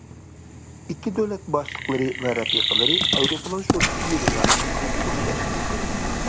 ئىككى دۆلەت باشلىقلىرى ۋە رەپىقىلىرى ئايروپىلان شوتىسى يېنىدا قىزغىن خوشلاشتى.